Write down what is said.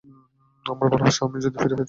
আমার ভালবাসা, আমি যদি ফিরে যেতে পারি।